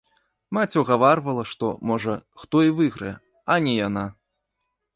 Маці ўгаварвала, што, можа, хто і выйграе, а не яна.